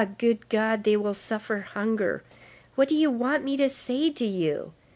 good God, they will suffer hunger! What do you want me to say to you?